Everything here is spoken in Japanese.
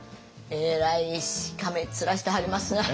えらいしかめっ面してはりますなあ。